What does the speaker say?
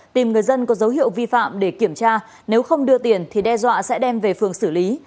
tìm người dân có dấu hiệu vi phạm để kiểm tra nếu không đưa tiền thì đe dọa sẽ đem về phường xử lý